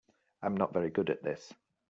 I'm not very good at this.